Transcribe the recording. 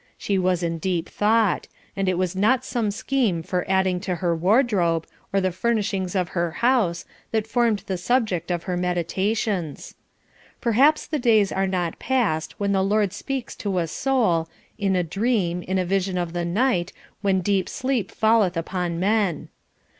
She was in deep thought, and it was not some scheme for adding to her wardrobe, or the furnishings of her house, that formed the subject of her meditations. Perhaps the days are not past when the Lord speaks to a soul "in a dream, in a vision of the night, when deep sleep falleth upon men."